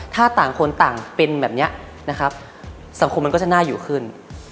ถ้าต่างคนต่างเป็นแบบนี้นะครับสังคมมันก็จะน่าอยู่ขึ้น